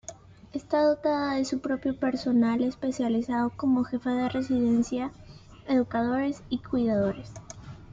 Está dotada de su propio personal especializado como Jefe de Residencia, Educadores y Cuidadores.